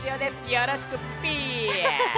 よろしくピーヤ！